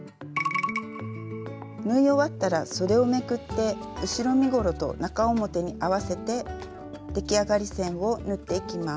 縫い終わったらそでをめくって後ろ身ごろと中表に合わせて出来上がり線を縫っていきます。